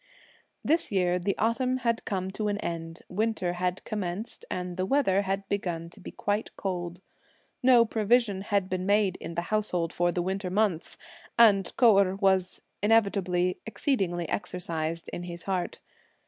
This year, the autumn had come to an end, winter had commenced, and the weather had begun to be quite cold. No provision had been made in the household for the winter months, and Kou Erh was, inevitably, exceedingly exercised in his heart.